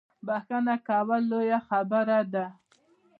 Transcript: بخښنه کول لویه خبره ده